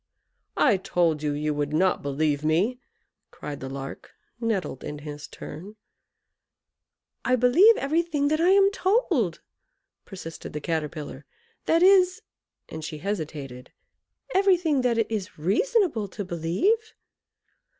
"I told you you would not believe me!" cried the Lark, nettled in his turn. "I believe everything that I am told" persisted the Caterpillar; "that is" and she hesitated "everything that it is reasonable to believe.